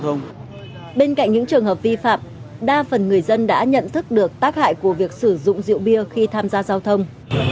trường hợp vi phạm đa phần người dân đã nhận thức được tác hại của việc sử dụng rượu bia khi tham gia giao thông